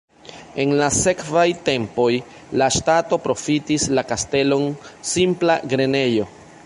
En la sekvaj tempoj la ŝtato profitis la kastelon simpla grenejo.